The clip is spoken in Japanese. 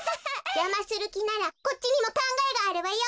じゃまするきならこっちにもかんがえがあるわよ。